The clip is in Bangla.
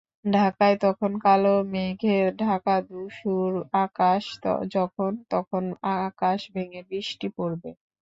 ঢাকায় তখন কালো মেঘে ঢাকা ধূসর আকাশ, যখন-তখন আকাশ ভেঙে বৃষ্টি পড়বে।